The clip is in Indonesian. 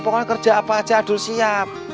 pokoknya kerja apa aja adul siap